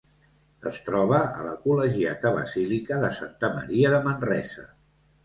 Es troba a la Col·legiata Basílica de Santa Maria de Manresa.